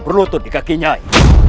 berlutut di kaki nyai